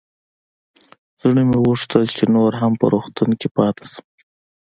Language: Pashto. زړه مې غوښتل چې نور هم په روغتون کښې پاته سم.